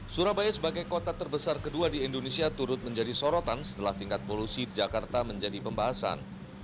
surabaya sebagai kota terbesar kedua di indonesia turut menjadi sorotan setelah tingkat polusi di jakarta menjadi pembahasan